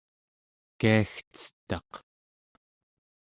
kiagcetaq